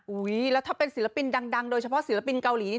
แล้วถ้าเป็นศิลปินดังโดยเฉพาะศิลปินเกาหลีนี่